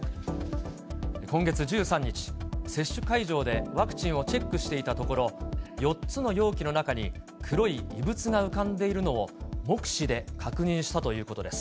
今月１３日、接種会場でワクチンをチェックしていたところ、４つの容器の中に黒い異物が浮かんでいるのを目視で確認したということです。